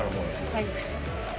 はい。